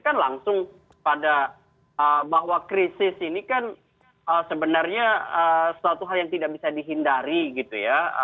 kan langsung pada bahwa krisis ini kan sebenarnya suatu hal yang tidak bisa dihindari gitu ya